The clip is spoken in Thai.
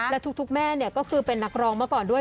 และทุกแม่เนี่ยก็คือเป็นนักร้องเมื่อก่อนด้วย